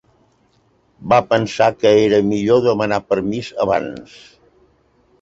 Va pensar que era millor demanar permís abans.